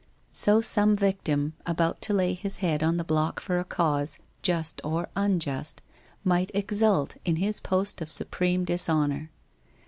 So some victim, about to lay his head on the block for a cause, just or unjust, might exult in his post of supreme dishonour.